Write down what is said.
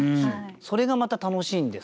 それがまた楽しいんですって。